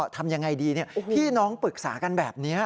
ทำยังไงดีพี่น้องปรึกษากันแบบนี้